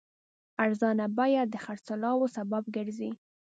ارزانه بیه د خرڅلاو سبب ګرځي.